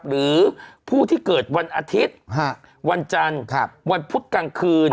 หรือผู้ที่เกิดวันอาทิตย์วันจันทร์วันพุธกลางคืน